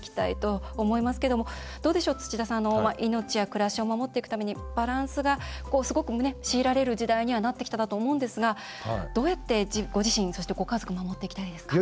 土田さん、命や暮らしを守っていくためにバランスがすごく強いられる時代にはなってきたと思うんですがどうやってご自身、ご家族守っていきたいですか？